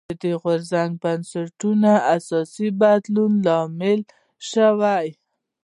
دا غورځنګ د بنسټونو اساسي بدلون لامل شو.